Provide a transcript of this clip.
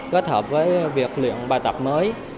kết hợp với việc luyện bài tập mới